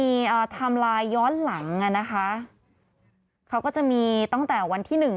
เขาก็จะมีอ่าย้อนหลังอ่ะนะคะเขาก็จะมีตั้งแต่วันที่หนึ่ง